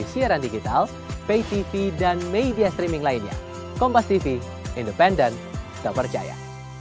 siaran digital pay tv dan media streaming lainnya kompas tv independen terpercaya